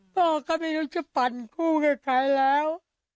พ่อก็ไม่รู้จะปั่นคู่กับใครแล้ว